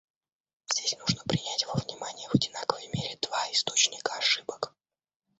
Здесь нужно принять во внимание в одинаковой мере два источника ошибок.